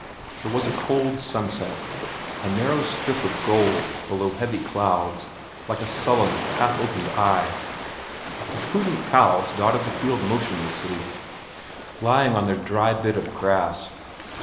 There was a cold sunset, a narrow strip of gold below heavy clouds, like a sullen, half open eye. The prudent cows dotted the fields motionlessly, lying on 280 VERA XXT their dry bite of grass.